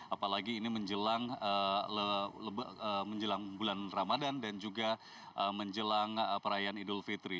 apalagi ini menjelang bulan ramadan dan juga menjelang perayaan idul fitri